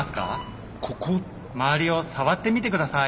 周りを触ってみて下さい。